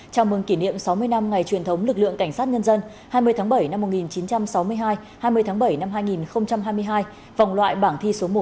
chào mừng kỷ niệm sáu mươi năm ngày truyền thống lực lượng cảnh sát nhân dân hai mươi tháng bảy năm một nghìn chín trăm sáu mươi hai hai mươi tháng bảy năm hai nghìn hai mươi hai vòng loại bảng thi số một